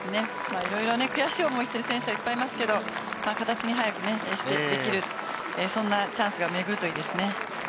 いろいろ悔しい思いをしている選手はいっぱいいますけれども形に早くできるそんなチャンスが巡るといいですね。